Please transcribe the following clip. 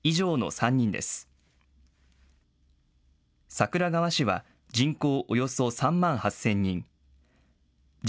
桜川市は人口およそ３万８０００人。